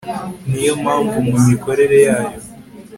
ni yo mpamvu mu mikorere yayo